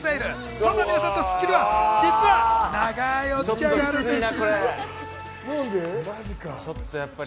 そんな皆さんと『スッキリ』は実は長いお付き合いがあるんです。